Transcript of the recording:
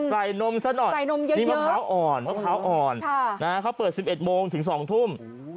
ใส่นมเยอะมะพร้าวอ่อนเขาเปิด๑๑โมงถึง๒ทุ่ม